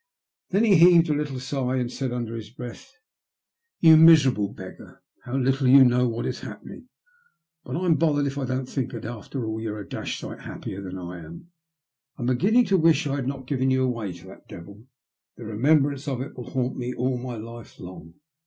Then he heaved a little sigh and said under his breath, '' Tou miserable beggar, how little you know what is happening, but I'm bothered if I don't think after all that you're a dashed sight happier than I am. I'm beginning to wish I'd not given you away to that devil. The remembrance of it will haunt me all my life long."